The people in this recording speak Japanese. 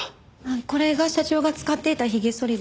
これが社長が使っていた髭剃りです。